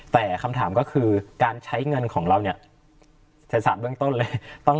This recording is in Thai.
แต่คำถามก็คือการใช้เงินของเราเนี่ยแสนสามเบื้องต้นเลย